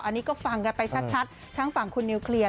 อันนี้ก็ฟังกันไปชัดทั้งฝั่งคุณนิวเคลียร์